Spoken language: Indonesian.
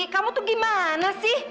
kamu tuh gimana sih